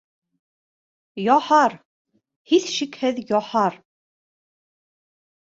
Яһар, һис шикһеҙ яһар.